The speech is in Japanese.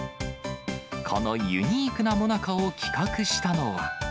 このユニークなもなかを企画したのは。